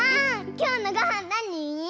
きょうのごはんなに？